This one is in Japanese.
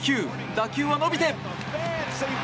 打球は伸びて。